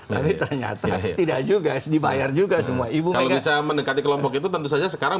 tapi ternyata tidak juga dibayar juga semua ibu kalau bisa mendekati kelompok itu tentu saja sekarang